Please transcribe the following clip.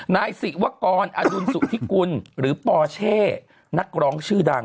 นายศิวกรอดุลสุธิกุลหรือปอเช่นักร้องชื่อดัง